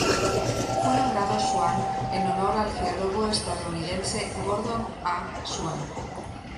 Fue nombrado Swann en honor al geólogo estadounidense Gordon A. Swann.